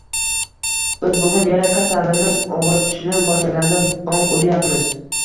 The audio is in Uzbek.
Biz bugun yana kasalimiz og‘ritishni boshlaganda bong uryapmiz.